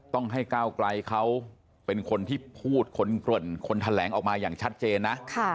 ต้องให้ก้าวไกลเขาเป็นคนที่พูดคนเกริ่นคนแถลงออกมาอย่างชัดเจนนะ